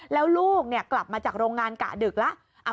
แล้วลูกกลับมาจากโรงงานกะดึกแล้ว